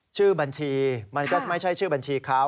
ชื่อบัญชีมันก็ไม่ใช่ชื่อบัญชีเขา